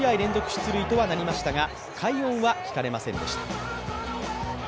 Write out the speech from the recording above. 出塁とはなりましたが快音は聞かれませんでした。